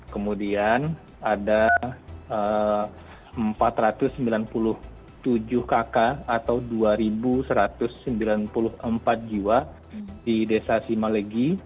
kemudian ada empat ratus sembilan puluh tujuh kakak atau dua satu ratus sembilan puluh empat jiwa di desa simalegi